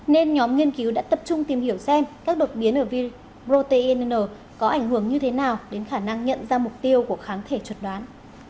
nên nhóm nghiên cứu đã tập trung tìm hiểu xem các đột biến ở virus protein có ảnh hưởng như thế nào đến khả năng nhận ra mục tiêu của kháng thể chuẩn đoán